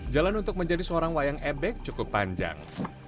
jalan untuk menjadi seorang wayang ebek cukup panjang